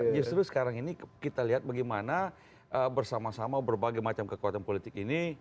justru sekarang ini kita lihat bagaimana bersama sama berbagai macam kekuatan politik ini